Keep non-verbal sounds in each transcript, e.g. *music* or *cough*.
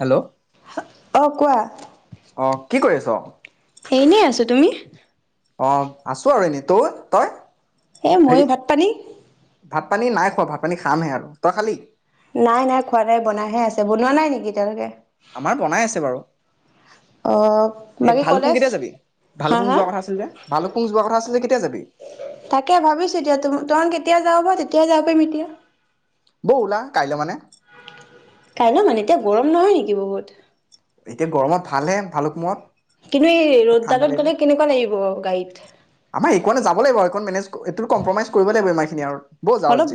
Hello অ', কোৱা। অ', কি কৰি আছ? এনেই আছো তুমি? অ', আছো আৰু এনেই তোৰ তই? এ হেৰি ময়ো ভাত পানী? *inaudible* ভাত পানী নাই খোৱা ভাত পানী খামহে আৰু তই খালি? নাই, নাই খোৱা নাই বনাইহে আছে। বনোৱা নাই নেকি এতিয়ালৈকে? আমাৰ বনাই আছে বাৰু অ', এই বাকী ভালুকপুং কলেজ? কেতিয়া যাবি হা, ভালুকপুং হা যোৱা কথা আছিল যে ভালুকপুং যোৱা কথা আছিল যে কেতিয়া যাবি তাকে ভাবিছো এতিয়া তোমাৰ কেতিয়া যাওঁ বা *unintelligible* এতিয়া বৌ উলা কাইলৈ মানে কাইলৈ মানে এতিয়া গৰম নহয় নেকি? বহুত। এতিয়া গৰমত ভালহে ভালুকপুংত কিন্তু এই ৰ'দডালত গ'লে কেনেকুৱা লাগিব গাড়ীত ভাল লাগিব মেনেজ এইটো কম্প্ৰমাইজ কৰিব লাগিব ম *unintelligible* অলপ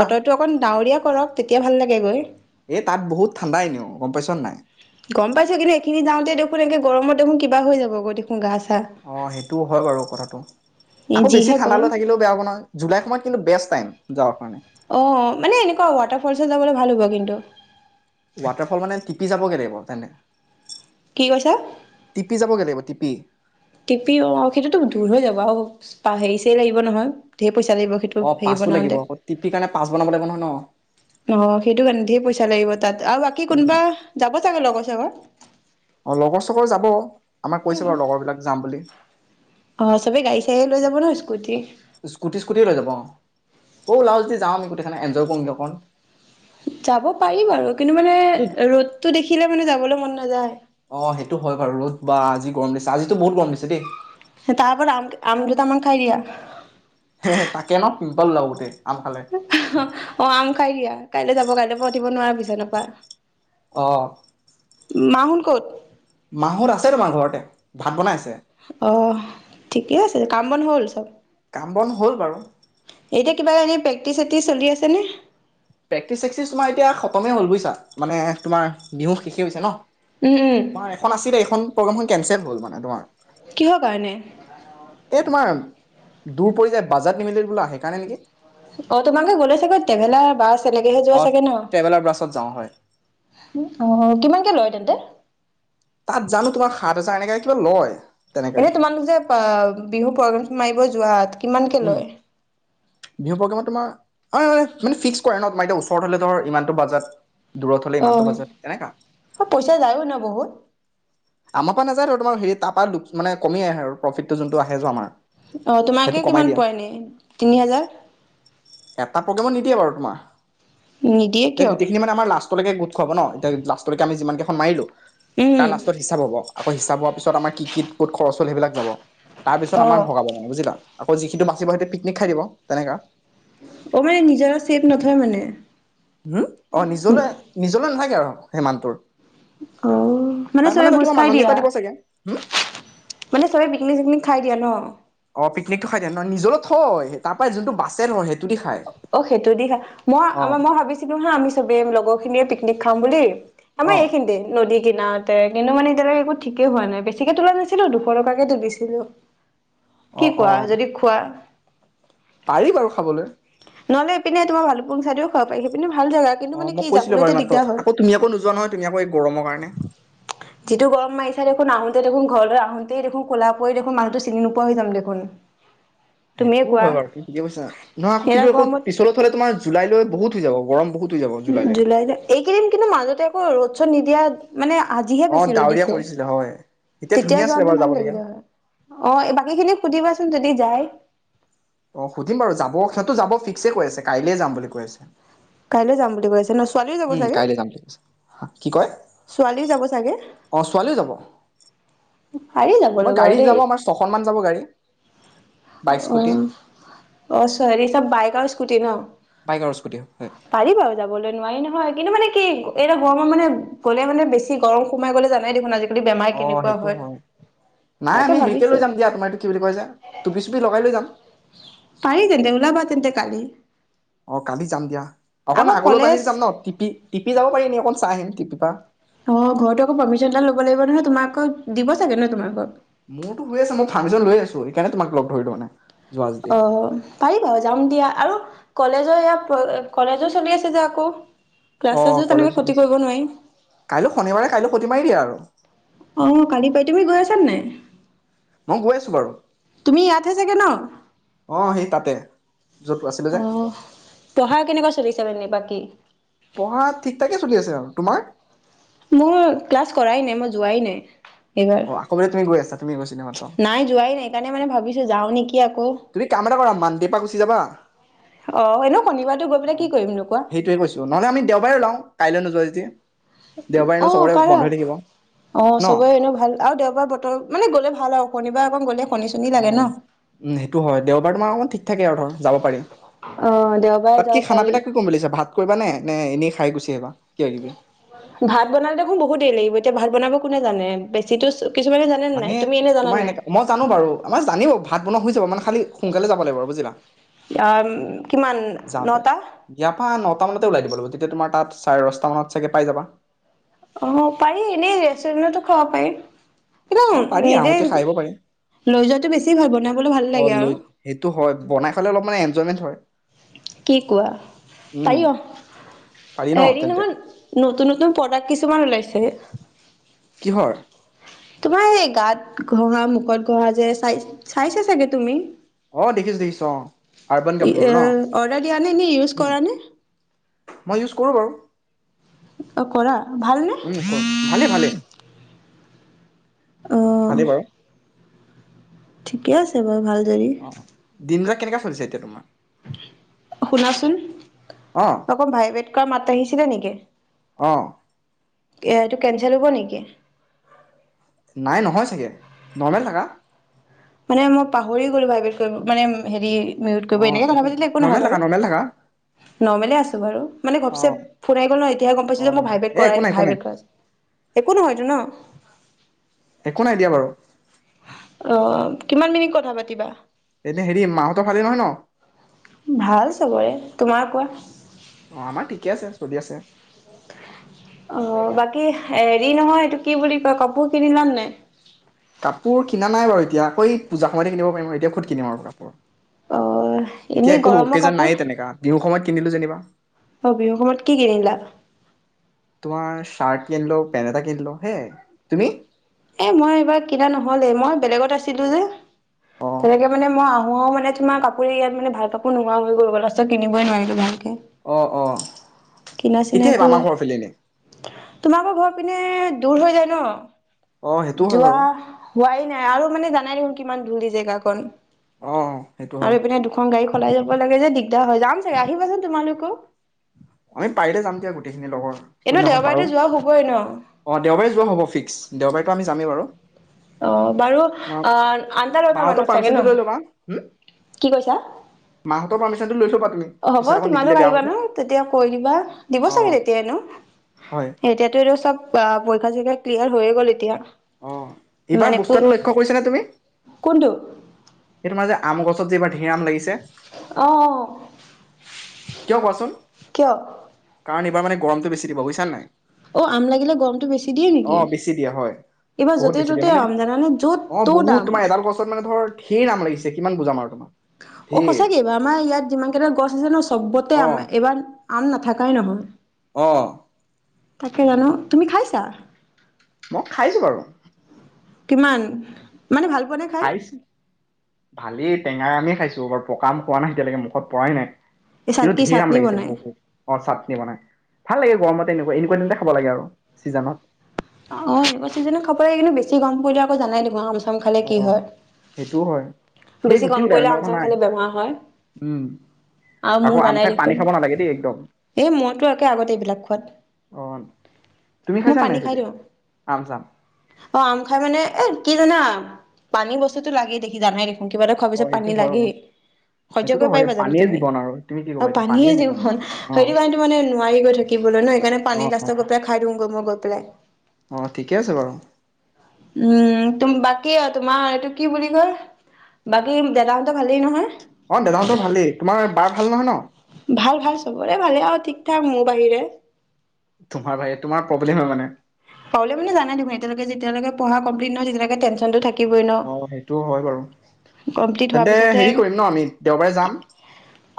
বতৰটো অকন ডাৱৰীয়া কৰক তেতিয়া ভাল লাগে গৈ। এ তাত বহুত ঠাণ্ডা ইনেও গম পাইছ নে নাই? গম পাইছো কিন্তু এইখিনি যাওঁতে দেখোন একে গৰমত দেখোন কিবা হৈ যাব গৈ দেখোন গা চা অ', সেইটোও হয় বাৰু কথাটো। আকৌ বেছি যিহে গৰম ঠাণ্ডালৈ থাকিলেও বেয়া হ'ব নহয় জুলাই সময়ত কিন্তু বেষ্ট টাইম। যাওঁক। অ' মানে এনেকুৱা ৱাটাৰ ফলছত যাবলৈ ভাল হ'ব কিন্তু। *unintelligible* ৱাটাৰফল মানে টিপি যাবগে লাগিব। তেনে কি কৈছা? টিপি যাবগে লাগিব উম। টিপি অ' সেইটোতো দূৰ হৈ যাব আৰু হেৰি চেৰি লাগিব নহয়, ধেই পইছা লাগিব সেইটো অ হেই পাছো লাগিব বনাওঁতে, আকৌ টিপিৰ কাৰণে পাছ বনাব লাগিব নহয় ন অ' সেইটো কাৰণে ধেই পইছা *unintelligible* তাত আৰু বাকী উম কোনোবা যাব চাগে লগত। *unintelligible* অ' লগৰ চগৰ যাব, আমাক কৈছে বাৰু লগৰ বিলাক যাম বুলি। অহ, চবে গাড়ী চাড়ীয়ে লৈ যাব ন' স্কুটি? তওঁ ওলাৱ যদি যাম গোটেইখিনি, এঞ্জয় কৰোঁগে অকণ। যাব পাৰি বাৰু কিন্তু মানে ৰ'দটো দেখি দেখিলে মানে যাবলৈ মন নাযায়। অ' সেইটো হয় বাৰু ৰ'দ! বাঁ আজি গৰম দিছে, আজিতো বহুত গৰম দিছে দেই। তাৰ উপৰত আম দুটামান খাই দিয়া। তাকে ন পিম্পল আও গোটে অ' আম খাই দিয়া! কাইলৈ যাব কাইলৈ পৰা উঠিব নোৱাৰা বিছনা তেনেকুৱা। অ'। মা হোন ক'ত? মা হ'ত আছে তোমাৰ ঘৰতে। ভাত বনাইছে অ' ঠিকেই আছে। কাম বন হ'ল চব? কাম বন হল বাৰু। এতিয়া কিবা এনেই প্ৰেক্টিচ চেক্টিছ চলি আছেনে? প্ৰেক্টিচ চেক্টিছ তোমাৰ এতিয়া খতমেই হ'ল বুইছা, মানে তোমাৰ বিহু শেষেই হৈছে ন'। উম উম তোমাৰ এখন আছিলে এইখন প্ৰ'গ্ৰাম কেনচেল হ'ল মানে তোমাৰ। কিহৰ কাৰণে? এ তোমাৰ দূৰ পৰি যায়, বাজেট নিমিলিল বোলা হেই কাৰণে নেকি। অ' তোমালোকে গ'লে চাগৈ টেভেলাৰ বাছ তেনেকেহে যোৱা অ চাগে ন', ট্ৰেভেলাৰ বাছত যাওঁ হয় অহ কিমানকে লয় তেন্তে? তাত জানো তোমাৰ! সাত হাজাৰ এনেকে কিবা লয়। তেনেকে এনে তোমালোক যে বিহু প্ৰগ্ৰেম মাৰিব যোৱাত কিমানকে উম লয় বিহু প্ৰগ্ৰেমত তোমাৰ মে ফিক্স কৰে ন তাৰ ওচৰত হলে ধৰ ইমানটো বাজাত দূৰত হলে অ ইমানটো বাজাত তেনেকা অ পইচা যায়ও ন বহুত আমাৰ পৰা নাযায় আৰু তোমাৰ হ তাৰ পৰা মানে কম আহে আৰু প্ৰফিটটো যোনটো আহে য আমাৰ আহ তোমাকে সেইটো কমাই কিমান দিয়ে পোৱ ন তিনি হাজাৰ প্ৰেগেমত নিদিয়ে বাৰু তোমাৰ নিদিয়ে যে কিয় গোটেইখিনি মানে আমাৰ লাষ্ট লষ্টলৈকে গো খুৱাব নতিয়া লষ্টলৈ আি যিমানেইখন মাৰিলোঁ উম তালা হিচ হ আকৌিচা হ পিছত আম কি কত খৰচ হল সেইবাক যাব তাৰ পিছত অ আমাৰ ভগাব মানে বুজিলা আকৌ যিখি বাচিব সেইটো পিকনিক খাই দিব তেনেকুৱা অ মানে নিজৰা ছেভ নথয় মানে উম অ নিজলে নিজলে নাইগে আৰু সিমানটোৰ অ মানে তাক চবে তই ভোজ কিবা খাই মাননি এটা দিয়া দিব চাগে। হুম? মানে চবে পিকনিক চিকনিক খাই দিয়া ন অ ', পিকনিক খাই দে ন ', নিজৰ থ, তাৰ পৰা যোনটো বাছে ন ', সেইটো, দি খায়। অ সেইটো দি হা মই অ আমাৰ মই ভাবিছিলো হা আমি চবে লগৰ খিনিয়ে পিকনিক খাম বুলি, আমাৰ অ এইখিনিতে নদী নাতে কিন্তু মানে এতিয়ালৈকে একো ঠিকেই হোৱা নাই বেছিকে তোলা নাছিলো দুশ টকাকে তুলিছিলো অ কি অ কোৱা যদি খোৱা, পাৰি বাৰু খাবলৈ নহলে ইপিনে তোমাৰ ভালুপুং চাইদেৰিও খাব পাৰি সেগপিনে অ ', মই কৈছিলো বাৰু এইমাত্ৰ আকৌ তুমি আকৌ নোযোৱা নহয়, তুমি আকৌ এই গৰমৰ কাৰণে। যিটো গৰম মাৰিছা দেখোন আহোঁতে দেখোন ঘৰলৈ আহোতেই দেখোন কোলা দেখোন মানুহটো চিনি নোপোৱা হৈ যাম দেখোন তুমিয়ে সেইটোও কোৱা হয় বাৰু কি ঠিকে কৈছা নহ এৰা কিন্তু গৰমত পিছলৈ থলে তোমাৰ জুলাইলৈ বহুত হৈ যাব গৰম বহুত হৈ যাব জুলাইলৈ। জুলাইত এইকিদিন কিন্তু মাজতে আকৌ ৰ চদ নিদিয়া মানে আজিহে অ বেছি ৰ'দ ডাৱৰীয়া দিছে, কৰিছিলে হয় এতিয়া তেতিয়া ধুনীয়া আছিলে যোৱাটো বাৰু ভাল যাবলগীয়া লাগিলে হয়, অ', বাকী খিনিক সুধিবাচোন যদি যায় অ', সুধিম বাৰু যাব সিহঁতো যাব ফিক্স কৈ আছে, কাইলে যাম বুলি কৈ আছে। যাম বুলি কৈছে ন ছোৱালীও যাব উম, চাগে? কাইলৈ যাম‌ বুলি‌ কৈছে কি কয় ছোৱালীও যাব চাগে? অ ছোৱালীও যাব পাৰি তোমাৰ যাবলৈ বাৰু গাড়ী দেই যাব আমাৰ ছখন মান যাব গাড়ী বাইক উ স্কুটি অ', চৰি চব বাইক আৰু স্কুটি ন? বাইক আৰু স্কুটি হয় পাৰি বাৰু যাবলৈ নোৱাৰি ন হয়, কিন্তু মানে কি এটা গৰমৰ মানে গ'লে মানে বেছি গৰম সোমাই গ'লে জানাই দেখোন আজি অ বেমাৰী'। সেইটো নাই আমি হেৰিকে লৈ যাম দিয়া তোমাৰ এইটো কি বুলি কৈ যে টুপি চুপি লগাই লৈ যাম তেন্ত কালি? অ কালি যাম দিয়া'। অকন আকৌ আগলৈ বাঢ়ি কলেজ যাম ন টিপি-টিপি যাব পাৰি নি অকণ চাই আহিম। তি পিপা অ ঘৰতো আকৌ পাৰ্মিশন এটা ল'ব লাগিব নহয়, তোমাকো দিব চাগে ন তোমাকক? মোৰতো হৈ আছে মই ফাৰামিীজন লৈ আছো, সেইকাৰণে তোমাক লগ ধৰি দওঁ মানে। যোৱা যদি আহ, পাৰিবা যাাম দিয়া আৰু কলেজৰ ইয় কলেজো চলি আছে যে আকৌ ক্লাছ অ চাছো তেনেকে কলেজ হৈ ক্ষতি আছে কৰিব নোৱাৰি কাইলৈ শনিবাৰে কাইলৈ সতি মাৰি দিয়া আৰু আহ, কালি পাই তুমি গৈ আছাান নাই? মই গৈ আছো বাৰু তুমি ইয়াতহে চাগে ন আহ সেই তাতে য'ত আছিলো যে অ প়াৰ কেনেকুৱা চলিছে মানেবাক? াকী *unintelligible* পঢ়া ঠিক াকে চলি আছে আৰু তোমাৰ? মোৰ ক্লাছ কৰাই নাই, মই যোৱাই নাই। এইবাৰ অ আকৌ বোলে তুমি গৈ আছা তুমি গৈছিলা মাত্ৰ নাই যোৱাই নাই এইকাৰণে মানে ভাবিছো যাওঁ নেকি? আকৌ তুমি কাম এটা কৰা মানটিৰপা গুচি যাবা অ এনেও শনিবাৰটো গৈ অ পেলাই কি কৰিমনো কোৱা সেইটোয়ে কৈছো নহলে আমি দেওবাৰে ওলাও কাইলৈ নোযোৱাাই তি অ পাৰা অ ন চবেই এনেও ভাল আৰু দেওবাৰ বতৰ মানে গ'লে ভাল আৰু শনিবাৰ অকণ গ'লে শনি চনি অ, লাগে ন উ সেইটো হয় দেওবাৰ তোমাৰ অকণমান ঠিক থাকে আৰু ধৰ। যাব পাৰি'। অ দেওবাৰে তাত যাব কি খানা পাৰি পিনা কি কৰিম বুলিছা ভাত কৰিবা নে নে এনেই খাই গুচি আহিবা কিবা কিবি ভাত বনালে দেখোন বহুত দেৰি লাগিব এতিয়া ভাত বনাব কোনে জানে বেছি'। মানে তোমাৰ এনেকাে মই জানো বাৰু আমাৰ জানিব ভাত বনোৱা শুজ যাব মানে কালি সোনকালে যাব লাগিব বুজিলা। অ কিমান যাওঁতে নটা। ইয়াৰ পৰা নটা মানতে ওলাই দিব লাগিব তেতিয়া তোমাৰ তাত চাৰে দহটামানত মানে চাগৈ পাই যাবা অ পাৰি এনেই ৰেষ্টুৰেণ্টতো খাব পাৰি। অ একদম পাৰি নিজেই আহোতে খাই আহিব পাৰি লৈ যোৱাটো বেছি ভাল বনাবলে ভাল অ লাগে আৰু জয়মেট হয় কি কোৱা উম পাৰি অ পাৰি ন হেৰি তেন্তে নহয় নতুন নতুন প্ৰডাক্ট কিছুমান ওলাইছে কিহৰ? তোমাৰ এই গাত ঘঁহা মুখত ঘঁহা যে চাই চাইছে চাগে তুমি। অ দেখিছ দেখিছ অ আৰবান কাপোৰ ন অৰ্ডাৰ দিয়া নে নে ইউজ উম কৰা নে মই ইউছ কৰো বাৰু অ কৰা ভালনে উম কৰো ভালে ভালে *unintelligible* অ ভালেই বাৰু ঠিকেই আছে বাৰু ভাল যদি অ দিন ৰা। কেনেকা চলিছে এতিয়া তোমাৰ শুনাচোন অ অকম ভাই বেট কাৰ মাত আহিছিলে নেকি অ এতিয়া এইটো কেনচেল হ'ব নেকি নাই নহয় চাগে নৰ্মেল থাকা মানে মই পাহৰি গ'লো ভাইবেত কৰিব মানে হেৰি মিউত অ কৰিব এনেকে কথা পাতিলে একো নহয় নৰ্মেল বাৰু থাকা নৰ্মেল থাকা নৰ্মলে আছো বাৰু মানে অ গভছেব ফোন আহি গল ন এতিয়ে গম অ পাইো যে মই ভাইবেট এ একো কৰাই নাই দিব একো নাই ভইবেত একো নহয়ো ন একো নাই দিয়া বাৰু অ কিমান মিনিত কথা পাতিবা। এতিয়া হেৰি মাহঁতো ভালে নহয় ভাল চবৰে তোমাৰ কোৱা অ' আমাৰ ঠিকে আছে চলি আছে অ বাকী হেৰি নহয় এইটো কি বুলি কয় কাপোৰ কিনি লা নে নাই কাপোৰ কিনা নাই বাৰু এতিয়া অই পূজা সময়তে কিনিব পাৰিম আৰু এতিয়া ক'ত কিনিম আৰু কাপোৰ অ এতিয়া এনেই একো গৰমৰ অকেজন নায়েই কাপোৰ তেনেকা বিহুৰ সময়ত কিনিলো যেনিবা। অ বিহু সময়ত কি কিনিলা তোমাৰ চাৰ্ট কিনলো পেণ্ট এটা কিনলো হে তুমি এ মই এইবাৰ কিনা নহলে মই বেলেগত আছিলো যে অ' তেনেকে মানে মই আহোও মানে তোমাৰ কাপোৰে ইয়াত মানে ভাল কাপোৰ নোহোৱা হৈ গল লাষ্টত কিনিবই নোৱাৰিলো ভাল অ অ কেতিয়া আহিবা আমাৰ ঘৰ ফালে এনে তোমাকৰ ঘৰ পিনে দূৰ হৈ যায় অ' ন সেইটোও হয় যোৱা বাৰু হোৱাই নাই আৰু মানে জানাই দেখোন কিমান ধূলি জেগা কন অ' সেইটো আৰু হয়। এইপিনে দুখন গাড়ী সলাই যাব লাগে যে দিগদাৰ হয়, যাম চাগে আহিবাচোন তোমালোক কওক। আমি পাৰিলে জাম দে, গোটেইখিনি লগৰ এনেও জিদনাখন পাৰো দেওবাৰেতো যোৱা হ'বই ন? অ দেওবাৰে যোৱা হ'ব ফিক্স দেওবাৰেতো আমি যামেই বাৰু অ', বাৰু তোমাৰ অ', আঠটা-নটা মাহঁতৰ মানুহ চাগে ন? পাৰ্মিচনটো লৈ ল'বা। হুম কি কৈছা? মাহঁতৰ পাৰ্মিচনটো লৈ থ'বা তুমি অ', হ'ব পিছত আকৌ নিদিলে তোমালোক বেয়া হ'ব আহিবা যে। ন? তেতিয়া কৈ দিবা। দিব চাগে অ' তেতিয়া এনেও। হয়। এতিয়াটো চব পৰীক্ষা-চৰীক্ষা ক্লিয়াৰ হৈয়ে গ'ল এতিয়া। অহ। এইবাৰ মানে ক বুষ্টাটো লক্ষ্য কৰিছা নে তুমি? কোনটো সেইটো মানে যে আম গছত যিবাৰ ধেৰ আম লাগিছে অ', অ'। কিয় কোৱাচোন! কাৰণ এই বাৰ মানে গৰমটো বেছি দিব। বুইছানা নাই? অ', আম লাগিলে গৰমটো বেছি দিয়ে অ নেকি? বেছি দিয়ে হয় ইবাৰ বহুত বেছি দিয়ে য'তে-ত'তে মানে আম জানানে? অ য'ত-ত'ত বহুত আম। তোমাৰ এডাল গছত মানে ধৰ ঢেৰ আম লাগিছে কিমান বুজাম আৰু তোমাক? অ', ঢেৰ সঁচাকেই বা আমাৰ ইয়াত যিমান কেইটা গছ আছে ন চবত অ আম এবাৰ আম নাথাকাই নহয়। অ তাকে জানো? তুমি খাইছ তা মই খাইছো বাৰু। কিমান? মানে ভাল পোৱা নে খাই? খাইছো। ভালেই। টঙাই আম খাইছো বাৰ পকাম খোৱা নাই এতিলৈকে মুখত পৰাই নাই। এই চাট কিন্তু কি ধেৰ আম চাটনি লাগিছে। বনাই? বহুত, অ', চাটনি বনাই। ভাল লাগে গৰমতে এনেকুৱা-এনেকুৱা দিনতে খাব লাগে আৰু ছিজনত। অ', অ', এইবোৰ চিজনক খাব পাৰি, কিন্তু বেছি গৰম পৰিলে আক জানাই দেখ অ', সেইটোও হয়। ঢেৰ বেছি গুটি গৰম ওলাই পৰিলে অন্য কথা আম-চাম নাই খালে বেমাৰ হয় উম আৰু আকৌ মোৰ আম জানাই খাই পানী দেখোন। খাব নালাগে দেই একদম এই মইতো একে আগত এইবিলাক খোৱাত। অ' তুমি মই খাইছা নাই পানী খাই সেইফালে দিওঁ। অ', আম চাম আম খাই মানে এ কি জানা পানী বস্তুতটো লাগে দেখি জানাই দেখি কিবা এটা খোৱাৰ পিছত অ' সেইটো পানী হয় লাগি, বাৰু। সহ্য সেইটোতো কৰি হয় পাৰিবা জানো পানীয়ে তুমি? জীৱন আৰু তুমি কি ক'বা আৰু এতিয়া পানীয়ে জীৱন। অ' সেইটো কাৰণে মানে নোৱাৰি গৈ থাকিবলৈ ন? সেইকাৰণে পানী অ' অ' লাষ্টত গৈ পেলাই খাই দিওঁগৈ মই গৈ। পেলাই অ', ঠিকে আছে বাৰু। উম তুম বাকী আৰু তোমাৰ এইটো কি বুলি কয়, বাকী দাদাহতৰ ভালেই নহয়? অ', দাদাহঁতৰ ভালেই তোমাৰ বাৰ ভাল নহয় ন'? ভাল ভাল চবৰে। ভালে অ', ঠিক ঠাক মোৰ বাহিৰে। তোমাৰ বাহিৰে তোমাৰ প্ৰব্লেম হয় মানে। প্ৰব্ললেম মানে জানাই দেখোন এতিয়ালৈ যেতিয়ালৈ পৰা কম্লিত নহয় তেতিয়ালৈকে টেঞ্চনটো থাক অ সেইটো হয় বাৰু কমপ্লিট হোৱাৰ তেন্তে হেৰি পিছতহে কৰিম ন আমি দেওবাৰে যাম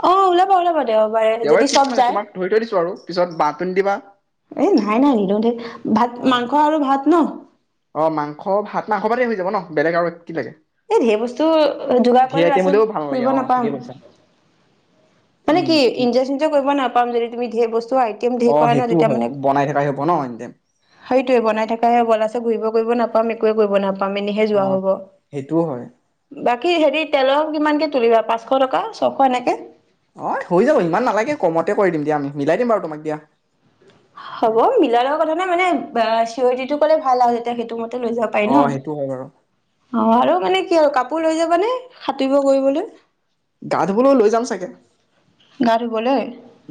অ ওলাবা ওলাব দেওবাৰে যদি ফিক্স চব মানে যায় তোমাক ধৰি থৈ দিছো আৰু পিছত বাহ তুমি দিবা এ নাই নাই দিনতে ভাত অ' মাংস আৰু ভাত ন অ' মাংস ভাত মাংস ভাতে হৈ যাব ন বেলেগ এক এই ধেৰ বস্তু যোগাৰ ধেৰ কৰি আইটেম লাছত হ'লেও ভাল ফুৰিব নালাগে অ' নাপাম ঠিকে কৈছা মানে কি উম ইঞ্জয় থিঞ্জোয় কৰিব নাপাম যদি তুমি ধেৰ বস্তু ছোৱাই একম দেৰ অ কৰা ন' সেইটোও তেতিয়া হয় মানে বনাই থকা হ'ব ন এনি টাইম সেইটোয়ে বনাই থাকাইে গল আছে ঘূৰিব কৰিব নাপ *unintelligible* মিনিহে অ যোৱা হ'ব সেইটোও হয় ব বাকী হেৰি তেলৰ কিমানকে তুলিবা পাঁচশ টকা ছশ এনেকে অ হৈ যাব ইমান নালাগে কমতে কৰি দিম দিয়া আমি মিলাই দিম বাৰু তোমাক দিয়া হ'ব মিলা লগোৱা কথা নে মানে চিৰিটিটো ক'লে ভাল আৰু যেতিয়া সেইটো মতে লৈ যাব পাৰি অ ন। সেইটো হয় বাৰু অ', আৰু মানে কি আৰু কাপোৰ লৈ যাবা নে সাঁতুৰ কৰিবলৈ? গা ধুবলৈও লৈ যাম চাগে গা ধৰুবলৈ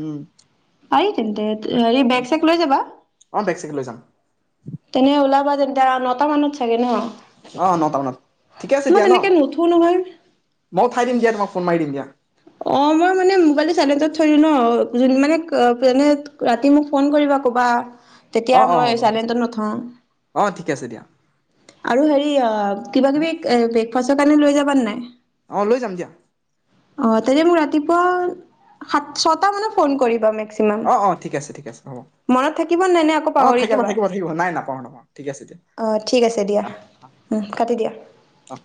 উম আহি তেন্তে হেৰি বেগ চেগ লৈ যাবা অ বেগ চেগ লৈ যাম তেনে ওলাবা তেন্তে‌ নটা মানত চাগে ন অ নটা ন ঠিকে আছে মই দিয়য়াাশ তেনেকে ন নুঠো নহয় মইঠাই দিম দিয়া তোমাক ফোন মাৰি দিম দিয়া অ', মই মানে ম'বাইল চাইচত থৈলো ন' মানে যে ৰাতি মোক ফোন কৰিবা ক'বা। অ তেতিয়া অ মই হ'ব হ'ব চাইলেন্টত নথওঁ। অ ঠিকে আছে দিয়া আৰু হেৰি অ' কিবা কিবি ফচ কানি লৈ যাবা নাই অঁ লৈ যাম দিয়া অ তেনে মোক ৰাতিপুৱা সাত ছটা মানে ফোন কৰিবা মেকচিমাম অ অ ঠিক আছে ঠিক আছে হ'ব মনত থাকিব নাই নে আকৌ অ পাহৰি থাকিব যাবা থাকিব থাকিব নাই নাপাহৰো নাপাহৰো ঠিক আছে দিয়া অ ঠিক আছে দিয়া আহ কাটি দিয়া আহ অ